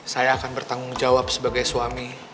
saya akan bertanggung jawab sebagai suami